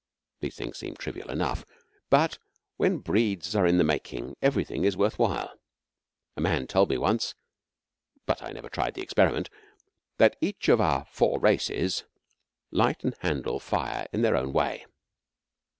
These things seem trivial enough, but when breeds are in the making everything is worth while. A man told me once but I never tried the experiment that each of our Four Races light and handle fire in their own way.